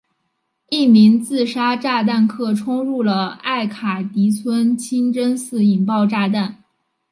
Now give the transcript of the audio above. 一名自杀炸弹客冲入了艾卡迪村清真寺引爆炸弹。